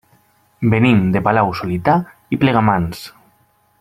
Venim de Palau-solità i Plegamans.